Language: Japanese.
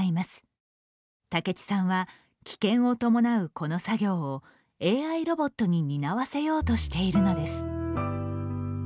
武智さんは危険を伴うこの作業をＡＩロボットに担わせようとしているのです。